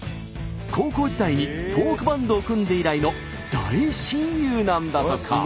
高校時代にフォークバンドを組んで以来の大親友なんだとか。